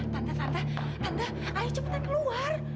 tante tante tante ayo cepetan keluar